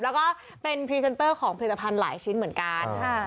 แล้วก็เป็นพรีเซนเตอร์ของผลิตภัณฑ์หลายชิ้นเหมือนกัน